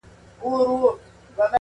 پېښه د کلي د تاريخ برخه ګرځي ورو ورو,